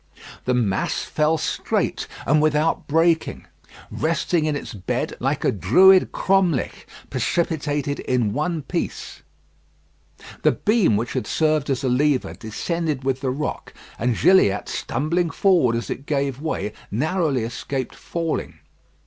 The mass fell straight, and without breaking; resting in its bed like a Druid cromlech precipitated in one piece. The beam which had served as a lever descended with the rock, and Gilliatt, stumbling forward as it gave way, narrowly escaped falling.